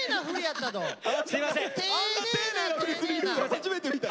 初めて見た。